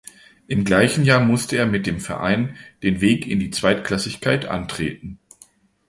Im gleichen Jahr musste er mit dem Verein den Weg in die Zweitklassigkeit antreten.